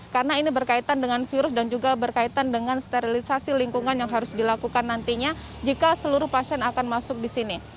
karena ini berkaitan dengan virus dan juga berkaitan dengan sterilisasi lingkungan yang harus dilakukan nantinya jika seluruh pasien akan masuk di sini